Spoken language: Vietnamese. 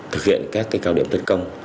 thực hiện các cao điểm tấn công